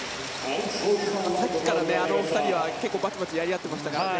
さっきからあの２人は結構バチバチとやり合っていましたからね